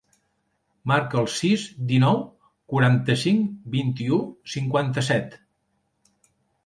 Marca el sis, dinou, quaranta-cinc, vint-i-u, cinquanta-set.